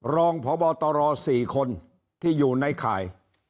รองพบตร๔คนที่อยู่ในข่าย